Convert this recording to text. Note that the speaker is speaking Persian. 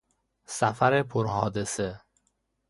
سفر پر حادثه